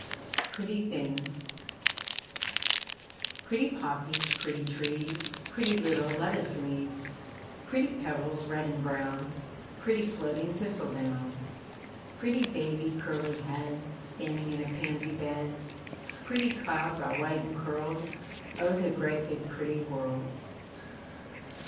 PRETTY THINGS Pretty poppies, Pretty trees, Pretty little lettuce leaves, Pretty pebbles, Red and brown, Pretty floating thistle down. Pretty baby, Curly head, Standing in a pansy bed, Pretty clouds All white and curled O the great, big pretty world!